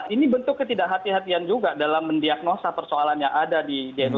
ini bentuk ketidakhati hatian juga dalam mendiagnosa persoalan yang ada di indonesia saat ini